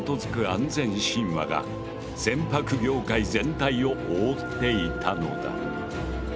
安全神話が船舶業界全体を覆っていたのだ。